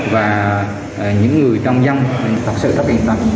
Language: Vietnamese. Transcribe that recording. và những người trong dân thật sự có tiền tặng